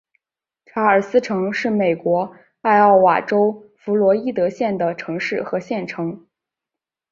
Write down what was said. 查尔斯城是美国艾奥瓦州弗洛伊德县的城市和县城。